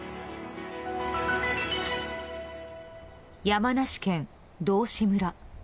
山梨県道志村。